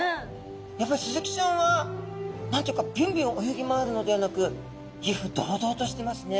やっぱスズキちゃんは何て言うかびゅんびゅん泳ぎ回るのではなく威風堂々としてますね。